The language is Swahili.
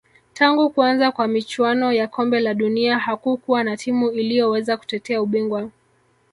tangu kuanza kwa michuano ya kombe la dunia hakukuwa na timu iliyoweza kutetea ubingwa